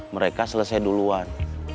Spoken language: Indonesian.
mereka selesai duluan